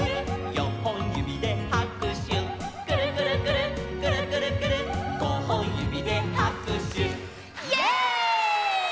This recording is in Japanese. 「よんほんゆびではくしゅ」「くるくるくるっくるくるくるっ」「ごほんゆびではくしゅ」イエイ！